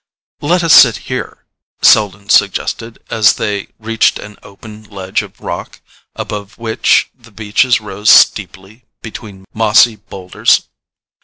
"Let us sit here," Selden suggested, as they reached an open ledge of rock above which the beeches rose steeply between mossy boulders.